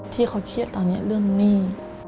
ที่เขาเครียดตอนนี้เรื่องหนี้